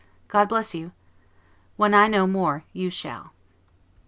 God bless you! When I know more you shall.